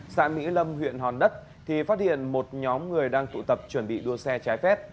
xã mỹ lâm huyện hòn đất thì phát hiện một nhóm người đang tụ tập chuẩn bị đua xe trái phép